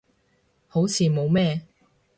好似冇咩